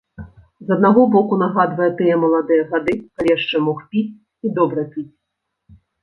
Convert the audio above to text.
З аднаго боку, нагадвае тыя маладыя гады, калі яшчэ мог піць, і добра піць.